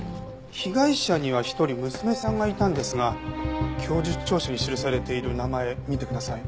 被害者には１人娘さんがいたんですが供述調書に記されている名前見てください。